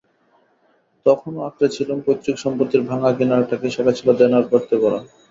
তখনও আঁকড়ে ছিলুম পৈতৃক সম্পত্তির ভাঙা কিনারটাকে সেটা ছিল দেনার গর্তে ভরা।